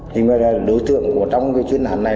thì đối tượng trong chuyến hành này